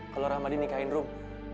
kalau ramadi nikahin rum